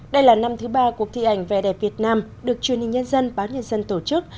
đây là năm thứ ba cuộc thi ảnh vẻ đẹp việt nam được truyền hình nhân dân bán nhân dân tổ chức